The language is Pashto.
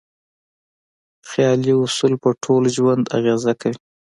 خیالي اصول په ټول ژوند اغېزه کوي.